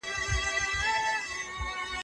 زده کوونکي بایدو د همکارۍ سره کار وکړي.